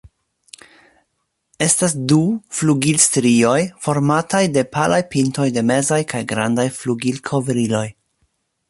Estas du flugilstrioj, formataj de palaj pintoj de mezaj kaj grandaj flugilkovriloj.